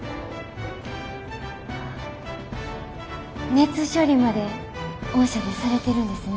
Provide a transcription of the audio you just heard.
熱処理まで御社でされてるんですね。